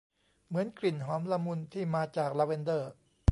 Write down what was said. เหมือนกลิ่นหอมละมุน ที่มาจากลาเวนเดอร์